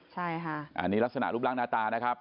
ใช่ค่ะอันนี้ลักษณะรูปร่างหน้าตานะครับ